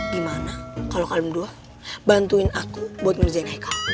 gimana kalau kalian dua bantuin aku buat ngerjain haikal